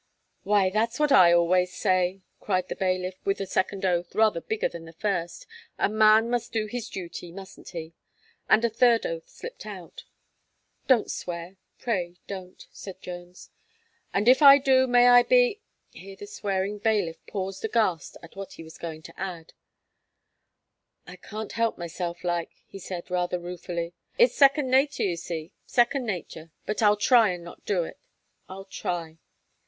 "Why that's what I always say," cried the bailiff with a second oath, rather bigger than the first, "a man must do his duty, mustn't he?" and a third oath slipped out. "Don't swear, pray don't!" said Jones. "And if I do, may I be " here the swearing bailiff paused aghast at what he was going to add. "I can't help myself like," he said, rather ruefully, "it's second natur, you see, second natur. But I'll try and not do it I'll try."